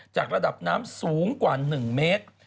ระดับน้ำสูงกว่า๑เมตร